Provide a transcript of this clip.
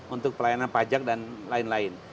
untuk pelayanan pajak dan lain lain